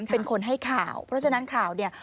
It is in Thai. เป็นคนให้ข่าวเพราะฉะนั้นข่าวเนี่ย